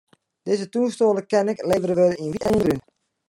Dizze túnstoel kin ek levere wurde yn it wyt en it brún.